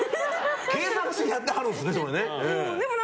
計算してやってはるんですね。